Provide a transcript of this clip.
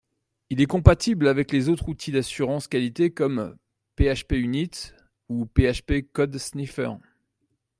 Il est compatible avec les autres outils d'assurance qualité comme PHPUnit ou PHP CodeSniffer